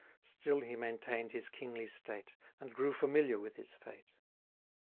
Still he maintain'd his kingly state; And grew familiar with his fate.